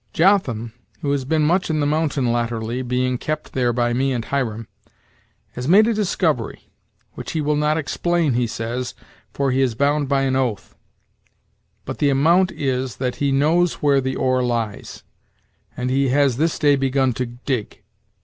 "Jotham, who has been much in the mountain latterly, being kept there by me and Hiram, has made a discovery, which he will not explain, he says, for he is bound by an oath; but the amount is, that he knows where the ore lies, and he has this day begun to dig.